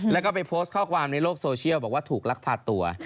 แล้วก็ไปโพสต์ข้อความในโลกโซเชียลบอกว่าถูกลักพาตัว